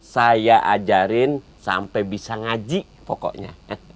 saya ajarin sampai bisa ngaji pokoknya